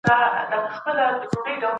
که مينه رښتيا وي نو تاريخ جوړوي.